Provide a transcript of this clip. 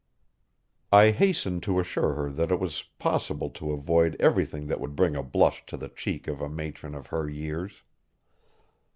I hastened to assure her that it was possible to avoid everything that would bring a blush to the cheek of a matron of her years.